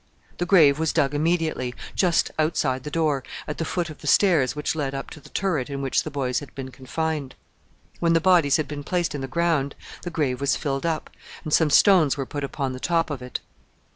The grave was dug immediately, just outside the door, at the foot of the stairs which led up to the turret in which the boys had been confined. When the bodies had been placed in the ground, the grave was filled up, and some stones were put upon the top of it.